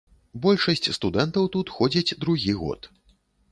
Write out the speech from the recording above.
Большасць студэнтаў тут ходзяць другі год.